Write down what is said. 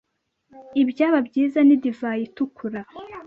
ibyaba byiza ni divayi itukura